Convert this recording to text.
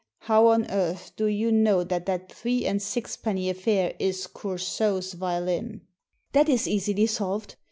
How on earth do you know that that three and sixpenny affair is Cour sault's violin?" " That is easily solved.